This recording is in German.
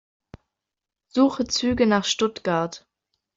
Suche Züge nach Stuttgart.